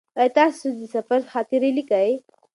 ایا تاسې د سفر خاطرې لیکئ؟